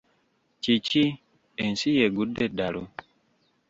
Kiki, ensi y’egudde eddalu?